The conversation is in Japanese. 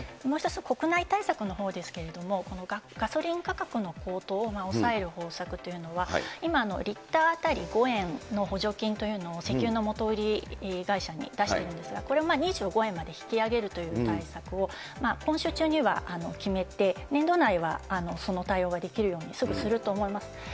もう一つ、国内対策のほうですけれども、ガソリン価格の高騰を抑える方策というのは、今、リッター当たり５円の補助金というのを、石油の元売り会社に出しているんですが、これは２５円まで引き上げるという対策を、今週中には決めて、年度内はその対応ができるように、すぐすると思います。